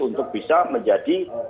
untuk bisa menjadi